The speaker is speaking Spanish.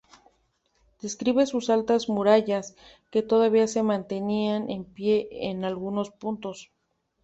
Describe sus "altas murallas", que todavía se mantenían en pie en algunos puntos.